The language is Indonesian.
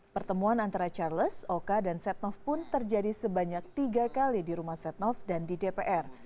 pertemuan antara charles oka dan setnov pun terjadi sebanyak tiga kali di rumah setnov dan di dpr